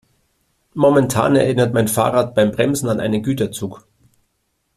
Momentan erinnert mein Fahrrad beim Bremsen an einen Güterzug.